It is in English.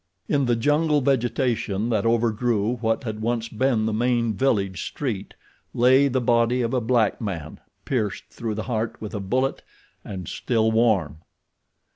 In the jungle vegetation that overgrew what had once been the main village street lay the body of a black man, pierced through the heart with a bullet, and still warm.